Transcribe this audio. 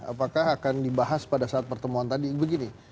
apakah akan dibahas pada saat pertemuan tadi begini